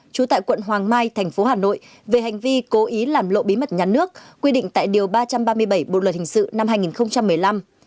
trú tại quận hoàng mai thành phố hà nội về hành vi cố ý làm lộ bí mật nhà nước quy định tại điều ba trăm ba mươi bảy bộ luật hình sự năm hai nghìn một mươi năm